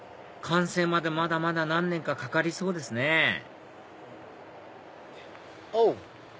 完成までまだまだ何年かかかりそうですねおっ！